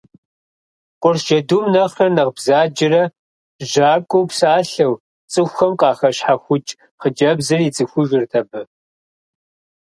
Къурш джэдум нэхърэ нэхъ бзаджэрэ жьакӏуэу псалъэу цӏыхухэм къахэщхьэхукӏ хъыджэбзыр ицӏыхужырт абы.